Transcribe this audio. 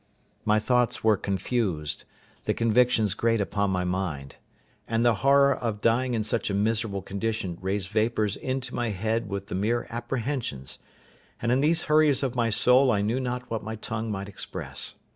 My thoughts were confused, the convictions great upon my mind, and the horror of dying in such a miserable condition raised vapours into my head with the mere apprehensions; and in these hurries of my soul I knew not what my tongue might express.